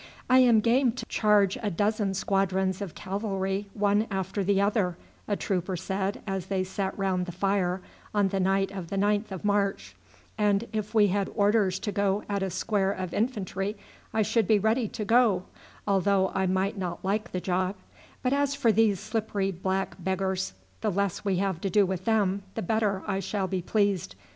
"I am game to charge a dozen squadrons of cavalry one after the other," a trooper said as they sat round the fire on the night of the 9th of March, "and if we had orders to go at a square of infantry I should be ready to go, although I might not like the job; but as for these slippery black beggars, the less we have to do with them the better I shall be pleased.